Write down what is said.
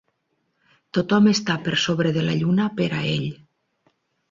Tothom està per sobre de la lluna per a ell.